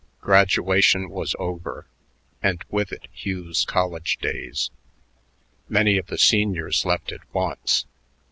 Graduation was over, and, with it Hugh's college days. Many of the seniors left at once.